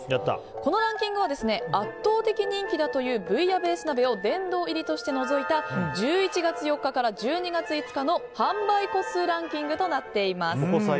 このランキングは圧倒的人気だというブイヤベース鍋を殿堂入りとして除いた１１月４日から１２月５日の販売個数ランキングとなっています。